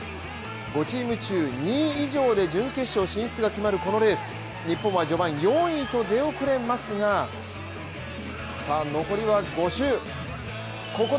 ５チーム中２位以上で準決勝進出が決まるこのレース、日本は序盤４位と出遅れますが、残りは５周。